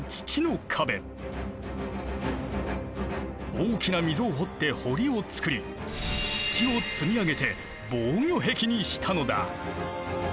大きな溝を掘って堀をつくり土を積み上げて防御壁にしたのだ。